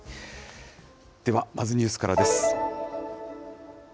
では、まずニュースからです。